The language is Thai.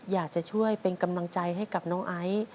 อยากจะช่วยเป็นกำลังใจให้กับน้องไอซ์